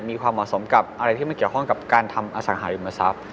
มีความเหมาะสมกับอะไรที่มันเกี่ยวข้องกับการทำอสังหาริมทรัพย์